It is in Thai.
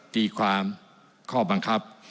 ตีความข้อบังคับ